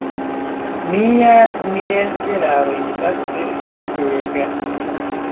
Mia mielĉelaro estas perfektega.